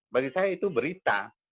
bagi saya itu berita